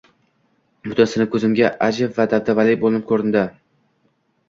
Butun sinf ko`zimga ajib va dabdabali bo`lib ko`rindi